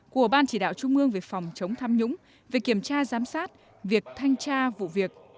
của ban chỉ đạo trung ương về phòng chống tham nhũng về kiểm tra giám sát việc thanh tra vụ việc